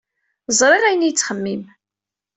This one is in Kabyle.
Ẓriɣ ayen ay tettxemmim.